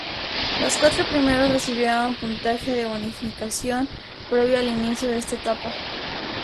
Los cuatro primeros recibieron puntaje de bonificación previo al inicio de esta etapa.